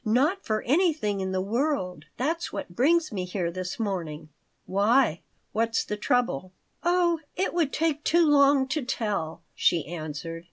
Not for anything in the world. That's what brings me here this morning." "Why? What's the trouble?" "Oh, it would take too long to tell," she answered.